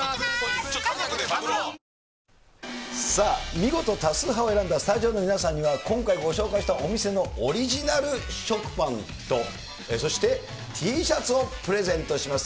見事多数派を選んだスタジオの皆さんには、今回ご紹介したお店のオリジナル食パンと、そしてＴシャツをプレゼントします。